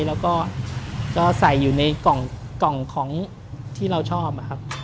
แล้วก็ใส่อยู่ในกล่องของที่เราชอบนะครับ